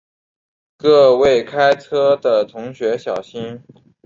各位开车的同学小心